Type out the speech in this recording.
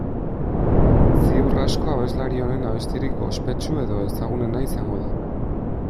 Ziur asko abeslari honen abestirik ospetsu edo ezagunena izango da.